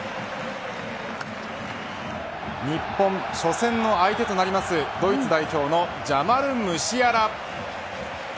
日本、初戦の相手となりますドイツ代表のジャマル・ムシアラ。